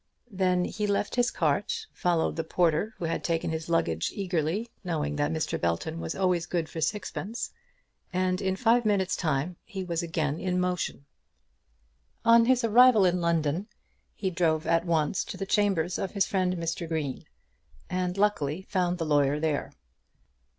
Then he left his cart, followed the porter who had taken his luggage eagerly, knowing that Mr. Belton was always good for sixpence, and in five minutes' time he was again in motion. On his arrival in London he drove at once to the chambers of his friend, Mr. Green, and luckily found the lawyer there.